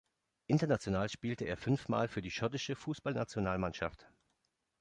International spielte er fünf Mal für die schottische Fußballnationalmannschaft.